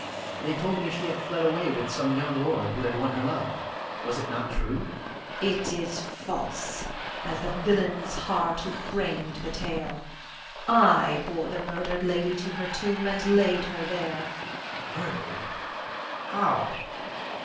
They told me she had fled away with some young lord who had won her love. Was it not true? Norna. It is false as the villain's heart who framed the tale. I bore the murdered lady to her tomb, and laid her there. Louis. Murdered? How?